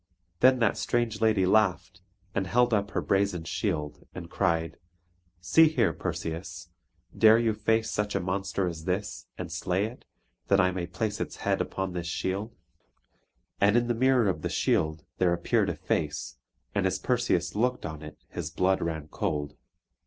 Then that strange lady laughed, and held up her brazen shield, and cried: "See here, Perseus; dare you face such a monster as this, and slay it, that I may place its head upon this shield?" And in the mirror of the shield there appeared a face and as Perseus looked on it his blood ran cold.